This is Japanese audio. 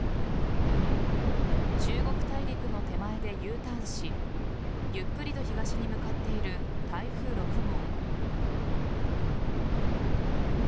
中国大陸の手前でＵターンしゆっくりと東に向かっている台風６号。